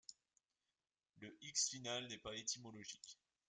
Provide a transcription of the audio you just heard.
Le -x final n'est pas étymologique.